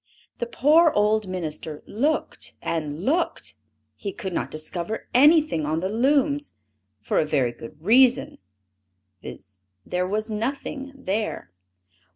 The poor old minister looked and looked, he could not discover anything on the looms, for a very good reason, viz: there was nothing there.